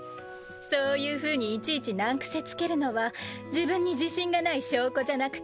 そういうふうにいちいち難癖つけるのは自分に自信がない証拠じゃなくて？